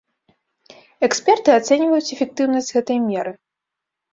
Эксперты ацэньваюць эфектыўнасць гэтай меры.